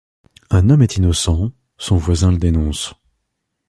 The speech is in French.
Un homme est innocent ; son voisin le dénonce.